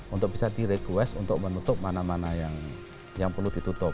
untuk bisa di request untuk menutup mana mana yang perlu ditutup